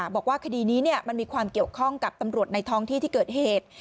บอกว่าคดีนี้มันมีความเกี่ยวข้องกับตำรวจในท้องที่ที่เกิดเหตุ